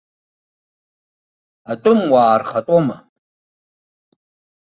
Атәымуаа рхатәома?